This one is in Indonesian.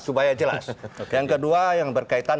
supaya jelas yang kedua yang berkaitan